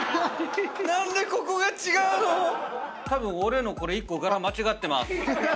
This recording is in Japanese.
何でここが違うの⁉たぶん俺のこれ１個柄間違ってます。